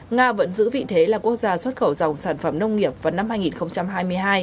nga vẫn giữ vị thế là quốc gia xuất khẩu dòng sản phẩm nông nghiệp vào năm hai nghìn hai mươi hai